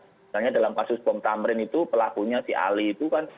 misalnya dalam kasus bom tamrin itu pelakunya si ali itu kan